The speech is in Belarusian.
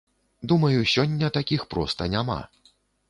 Думаю, сёння такіх проста няма.